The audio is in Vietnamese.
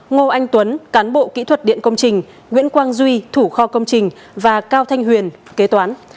ngô anh tuấn cán bộ kỹ thuật điện công trình nguyễn quang duy thủ kho công trình và cao thanh huyền kế toán